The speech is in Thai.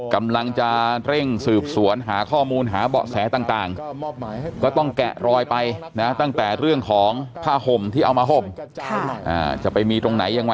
กำลังจะเร่งสืบสวนหาข้อมูลหาเบาะแสต่าง